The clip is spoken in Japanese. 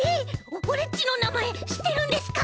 オレっちのなまえしってるんですか！？